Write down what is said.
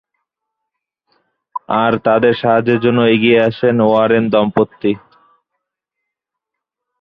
আর তাদের সাহায্যের জন্য এগিয়ে আসেন ওয়ারেন দম্পতি।